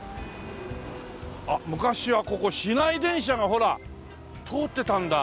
あっ昔はここ市内電車がほら通ってたんだ。